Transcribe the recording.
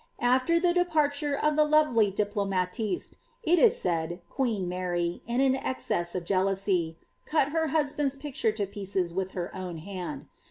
After the departure of the lovely diplomatiste, it is said, queen Mar}', in an excess of jealousy, cut her husband's picture to pieces wiih her own hand.